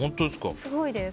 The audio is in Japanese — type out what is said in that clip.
すごいです。